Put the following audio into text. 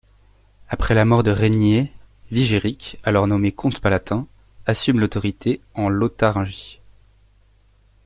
Après la mort de Régnier, Wigéric, alors nommé comte palatin, assume l'autorité en Lotharingie.